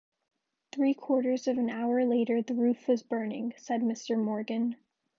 "Three quarters of an hour later the roof was burning", said Mr Morgan.